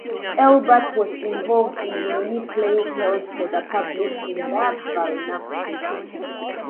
Elbert was involved in many plays held for the public in the Barnacle.